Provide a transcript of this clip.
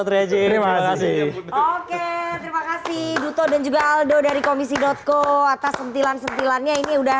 terima kasih duto dan juga aldo dari komisi co atas sentilan sentilannya ini udah